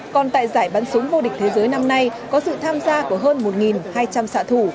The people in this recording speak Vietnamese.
còn tại giải bắn súng vô địch thế giới năm nay có sự tham gia của hơn một hai trăm linh xã thủ